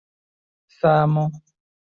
samo